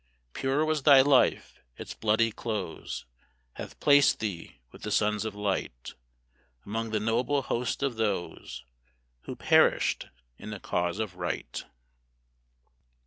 Pure was thy life; its bloody close Hath placed thee with the sons of light, Among the noble host of those Who perished in the cause of Right.